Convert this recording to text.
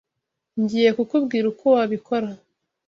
Ngiye kukubwira uko wabikora.